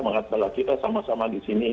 mengatakanlah kita sama sama di sini